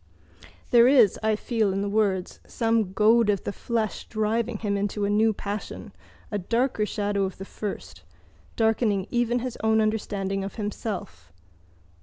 There is, I feel in the words, some goad of the flesh driving him into a new passion, a darker shadow of the first, darkening even his own understanding of himself.